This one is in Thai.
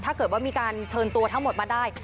ถ้าเกิดว่ามีการเชิญตัวทั้งหมดมาได้